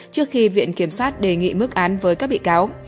trước khi viện kiểm sát đề nghị mức án với các bị cáo